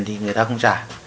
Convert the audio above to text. thì người ta không trả